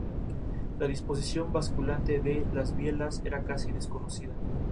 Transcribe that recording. La belleza natural de las frutas lo convierten en recurso ornamental sencillo y básico.